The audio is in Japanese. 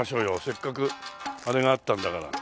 せっかくあれがあったんだから。